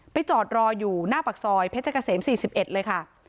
จอดรออยู่หน้าปากซอยเพชรเกษม๔๑เลยค่ะ